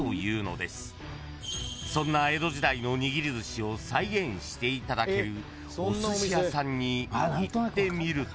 ［そんな江戸時代のにぎりずしを再現していただけるおすし屋さんに行ってみると］